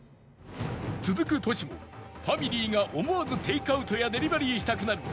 続くトシもファミリーが思わずテイクアウトやデリバリーしたくなる